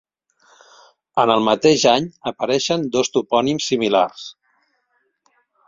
En el mateix any apareixen dos topònims similars: